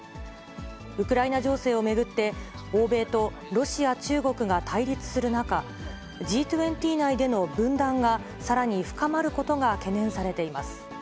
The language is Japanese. ウクライナ情勢を巡って、欧米とロシア、中国が対立する中、Ｇ２０内での分断がさらに深まることが懸念されています。